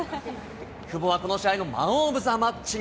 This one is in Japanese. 久保はこの試合のマンオブザマッチに。